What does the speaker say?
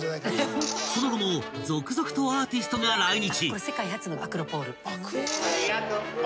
［その後も続々とアーティストが来日］